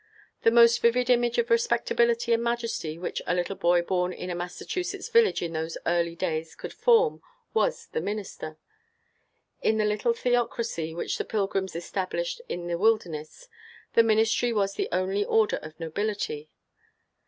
The most vivid image of respectability and majesty which a little boy born in a Massachusetts village in those early days could form was the minister. In the little theocracy which the Pilgrims established in the wilderness, the ministry was the only order of nobility.